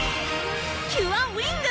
キュアウィング！